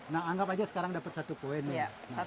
nah anggap aja sekarang dapat satu poin deh